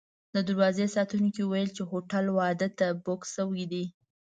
د دروازې ساتونکو ویل چې هوټل واده ته بوک شوی دی.